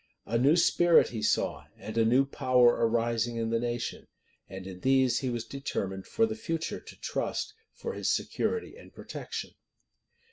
A new spirit he saw, and a new power arising in the nation; and to these he was determined for the future to trust for his security and protection.